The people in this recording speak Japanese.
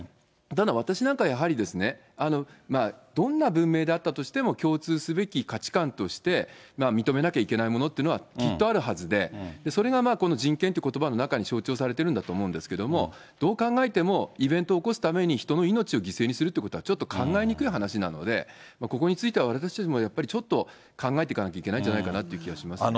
ただ私なんかはやはりね、どんな文明であったとしても、共通すべき価値観として認めなきゃいけないものっていうのはきっとあるはずで、それがこの人権ということばの中に象徴されてるんだと思うんですけど、どう考えても、イベントを起こすために人の命を犠牲にするということは、ちょっと考えにくい話なので、ここについては私たちもやっぱりちょっと考えていかなきゃいけないんじゃないかなという気がしますよね。